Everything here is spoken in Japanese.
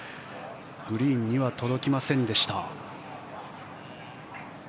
グリーンには届きませんでした。